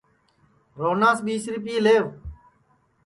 روہناس ٻیس رِپئے لیوَ